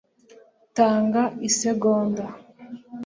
tanga isegonda